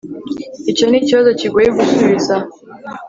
Icyo nikibazo kigoye gusubiza